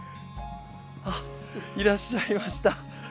あっいらっしゃいました。